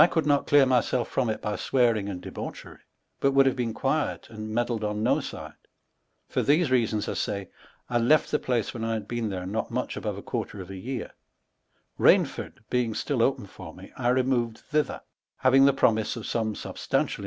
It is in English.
could not cleare myaolfe from it by swearing and debaucherie but would have beene quiet and meddled on no side; (for these reasons 1 say) 1 left the place when 1 had beene there not mucli a quarter of a yeare. Kainford being atill opeu for me, I removed thither, having the promise of some substantial!